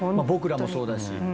僕らもそうだし。